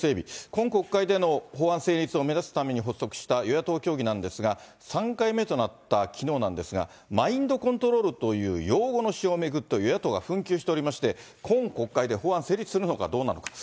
今国会での法案成立を目指すために発足した与野党協議なんですが、３回目となったきのうなんですが、マインドコントロールという用語の使用を巡って与野党が紛糾しておりまして、今国会で法案成立するのかどうなのか。